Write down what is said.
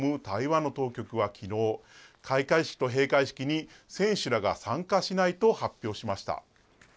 台湾の当局はきのう、開会式と閉会式に選手らが参加しないと発表しました。